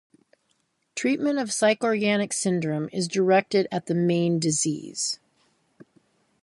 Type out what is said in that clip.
Treatment of psychorganic syndrome is directed at the main disease.